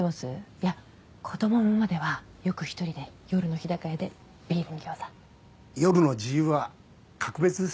いや子ども産むまではよく１人で夜の日高屋でビールにギョーザ夜の自由は格別です